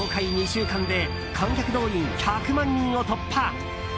２週間で観客動員１００万人を突破。